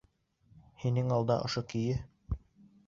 Һинең алда ошо көйө...